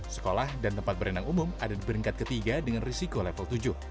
sekolah dan tempat berenang umum ada di peringkat ketiga dengan risiko level tujuh